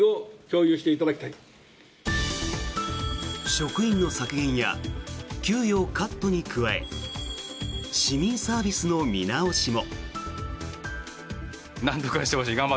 職員の削減や給与カットに加え市民サービスの見直しも。